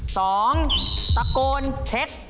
สองตะโกนเช็กชื่อ